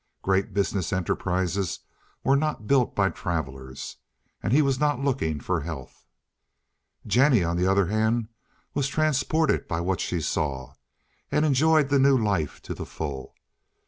Great business enterprises were not built by travelers, and he was not looking for health. Jennie, on the other hand, was transported by what she saw, and enjoyed the new life to the full.